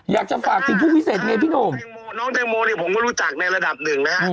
อยากจะฝากถึงผู้พิเศษไงพี่หนุ่มน้องแตงโมเนี่ยผมก็รู้จักในระดับหนึ่งนะฮะ